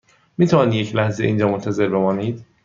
می توانید یک لحظه اینجا منتظر بمانید؟